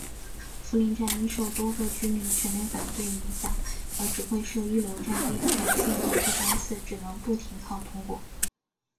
福邻站因受多个居民全面反对影响而只会设预留站令全线列车班次只能不停靠通过。